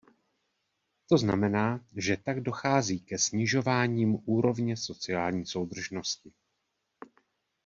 To znamená, že tak dochází ke snižováním úrovně sociální soudržnosti.